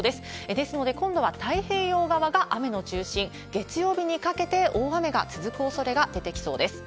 ですので、今度は太平洋側が雨の中心、月曜日にかけて大雨が続くおそれが出てきそうです。